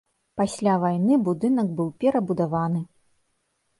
Пасля вайны будынак быў перабудаваны.